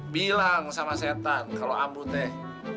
bilang sama setan kalau ambu teh